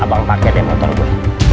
abang pake deh motor gue